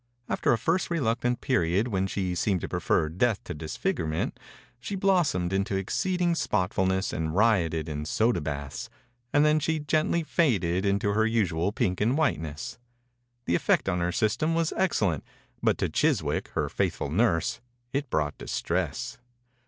After a first reluctant period when she seemed to prefer death to disfigurement, she blossomed into exceeding spotfulness and rioted in soda baths, and then she gently faded into her usual pink and white ness. The effect on her system was excellent, but to Chiswick, her faithful nurse, it brought distress.